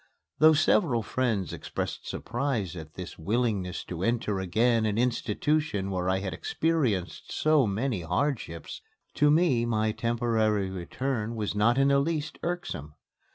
Though several friends expressed surprise at this willingness to enter again an institution where I had experienced so many hardships, to me my temporary return was not in the least irksome.